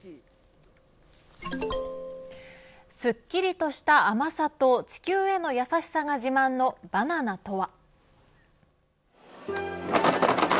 すっきりとした甘さと地球への優しさが自慢のバナナとは。